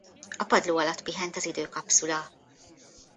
A padló alatt pihent az időkapszula